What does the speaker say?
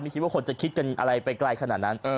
คิดว่าคนจะคิดกันอะไรไปไกลขนาดนั้น